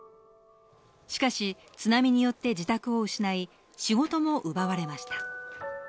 しかし津波によって自宅を失い、仕事も奪われました。